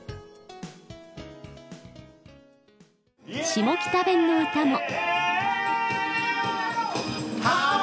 下北弁の歌も。